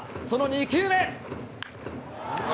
その２球目。